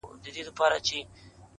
• اوښکي دي پر مځکه درته ناڅي ولي،